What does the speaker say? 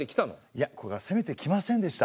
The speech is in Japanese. いやこれがせめてきませんでした。